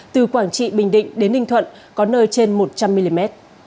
từ quảng trị bình định đến ninh thuận có nơi trên một trăm linh mm